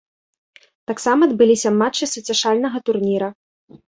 Таксама адбыліся мачты суцяшальнага турніра.